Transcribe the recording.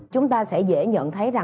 chúng ta sẽ dễ nhận thấy